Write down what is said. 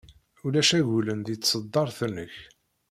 Ulac agulen deg tṣeddart-nnek.